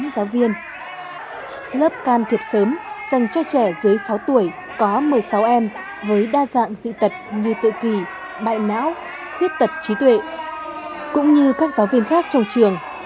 ba mươi tám giáo viên lớp can thiệp sớm dành cho trẻ dưới sáu tuổi có một mươi sáu em với đa dạng dị tật như tự kỳ bại não khuyết tật trí tuệ cũng như các giáo viên khác trong trường